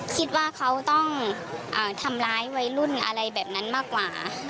คิดว่าเขาต้องทำร้ายวัยรุ่นอะไรแบบนั้นมากกว่า